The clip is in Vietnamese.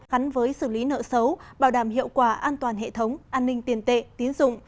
gắn với xử lý nợ xấu bảo đảm hiệu quả an toàn hệ thống an ninh tiền tệ tiến dụng